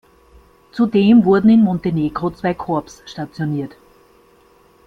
Zudem wurden in Montenegro zwei Korps stationiert.